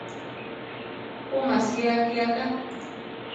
Ku masia akíaka.